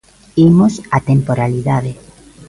Imos á temporalidade.